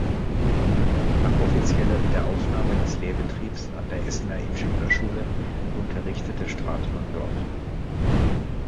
Nach offizieller Wiederaufnahme des Lehrbetriebs an der Essener Ingenieurschule unterrichtete Stratmann dort.